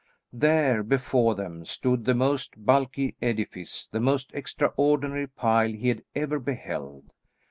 There, before them, stood the most bulky edifice, the most extraordinary pile he had ever beheld.